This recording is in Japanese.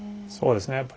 そうですね